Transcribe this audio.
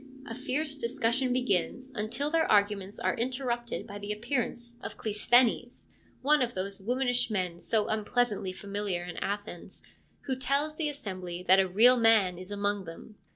A fierce discussion begins, until their arguments are interrupted by the appearance of Cleisthenes, one of those womanish men so unpleasantly familiar in Athens, who tells the assembly that a real man is among them.